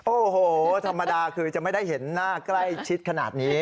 โอ้โหธรรมดาคือจะไม่ได้เห็นหน้าใกล้ชิดขนาดนี้